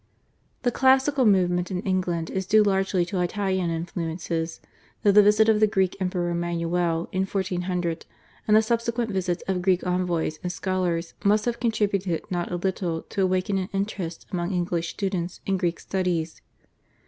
The classical movement in England is due largely to Italian influences, though the visit of the Greek Emperor Manuel in 1400, and the subsequent visits of Greek envoys and scholars must have contributed not a little to awaken an interest among English students in Greek studies.